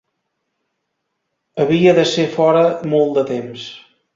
Havia de ser fora molt de temps.